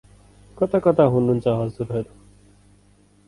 कता कता हुनुहुन्छ हजुरहरु?